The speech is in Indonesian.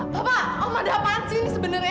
bapak ada apaan sih ini sebenarnya